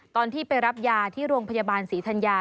ตอนที่ไปรับยาที่โรงพยาบาลศรีธัญญา